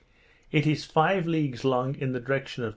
It is five leagues long in the direction of N.